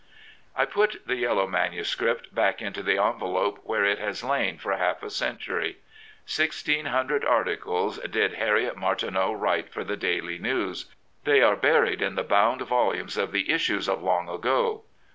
I put the yellow manuscript back into the envelope where it has lain for half a century. Sixteen hundred articles did Harriet Martineau write for the Daily Ntws. They are buried in the bound volumes of the issues of long ago.